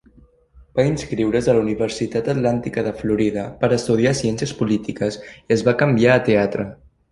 Va inscriure's a la Universitat Atlàntica de Florida per estudiar ciències polítiques i es va canviar a teatre.